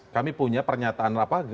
kami punya pernyataan apa